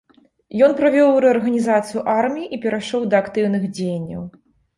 Ён правёў рэарганізацыю арміі і перайшоў да актыўных дзеянняў.